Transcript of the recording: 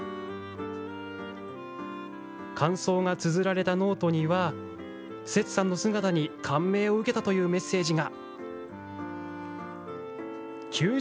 感想がつづられたノートにはセツさんの姿に感銘を受けたというメッセージが。